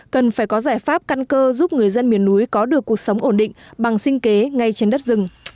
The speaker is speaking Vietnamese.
cần phải có giải pháp căn cơ giúp người dân miền núi có được cuộc sống ổn định bằng sinh kế ngay trên đất rừng